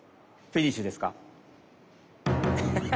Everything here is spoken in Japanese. フィニッシュです。